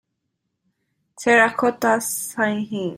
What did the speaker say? Terracotta Sighing.